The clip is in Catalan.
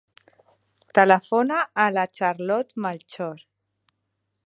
Telefona a la Charlotte Melchor.